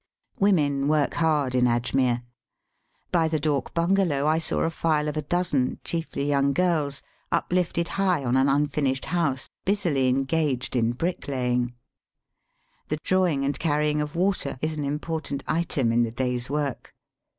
Women work hard in Ajmere, By the dak bungalow I saw a file of a dozen, chiefly young girls, uplifted high on an unfinished house, busily engaged in bricklaying. The drawing and carrying of water is an important item in the day's work.